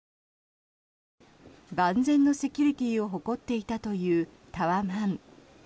万全のセキュリティーを誇っていたというタワマン。